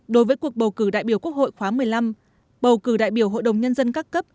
đối với cuộc bầu cử đại biểu quốc hội khóa một mươi năm bầu cử đại biểu hội đồng nhân dân các cấp